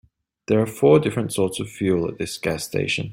There are four different sorts of fuel at this gas station.